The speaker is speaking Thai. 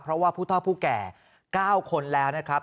เพราะว่าผู้เท่าผู้แก่๙คนแล้วนะครับ